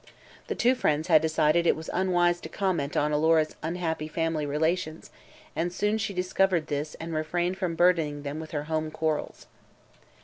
The two friends had decided it was unwise to comment on Alora's unhappy family relations and soon she discovered this and refrained from burdening them with her home quarrels.